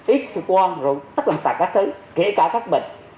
ít sĩ quan tất cả các thứ kể cả các bệnh